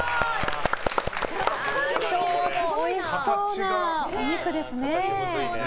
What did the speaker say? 今日もおいしそうなお肉ですね。